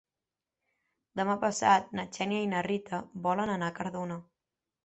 Demà passat na Xènia i na Rita volen anar a Cardona.